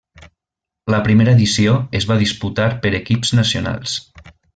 La primera edició es va disputar per equips nacionals.